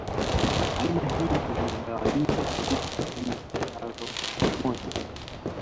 Aina hii imegawanyika katika sehemu zifuatazoMoja